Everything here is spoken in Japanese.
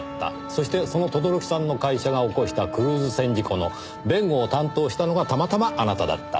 そしてその轟さんの会社が起こしたクルーズ船事故の弁護を担当したのがたまたまあなただった。